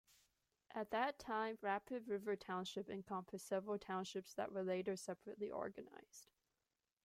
At that time, Rapid River Township encompassed several townships that were later separately organized.